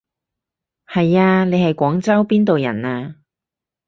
係啊，你係廣州邊度人啊？